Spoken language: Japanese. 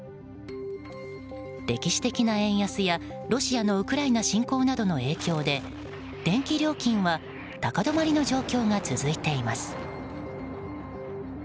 歴史的な円安や、ロシアのウクライナ侵攻などの影響で電気料金は高止まりの状況が続いています。